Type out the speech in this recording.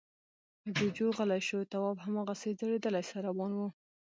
جُوجُو غلی شو. تواب هماغسې ځړېدلی سر روان و.